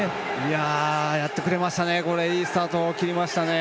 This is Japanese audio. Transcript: やってくれましたね。